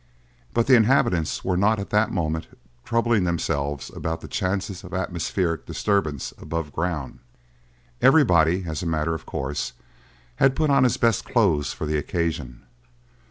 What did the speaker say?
But the inhabitants were not at that moment troubling themselves about the chances of atmospheric disturbance above ground. Everybody, as a matter of course, had put on his best clothes for the occasion.